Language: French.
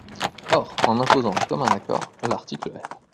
Or, en imposant un commun accord, l’article L.